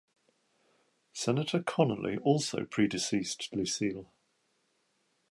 Senator Connally also pre-deceased Lucille.